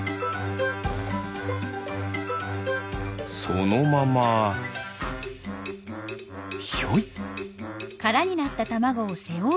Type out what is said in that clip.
そのままひょい。